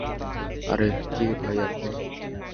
আরেহ, কে ভাই আপনি?